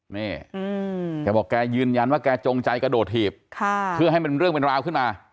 นี่แกบอกแกยืนยันว่าแกจงใจกระโดดถีบเพื่อให้เป็นเรื่องเป็นราวขึ้นมา